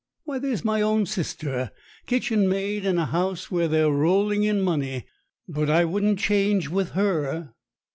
Why, there's my own sister, kitchen maid in a house where they're rolling in money, but I wouldn't change with her.